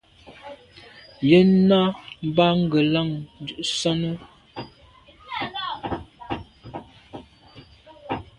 Yen nà ba ngelan ndù sàne.